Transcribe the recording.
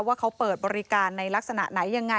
ว่าเขาเปิดบริการในลักษณะไหนยังไง